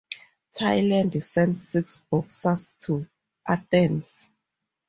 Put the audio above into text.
Thailand sent six boxers to Athens.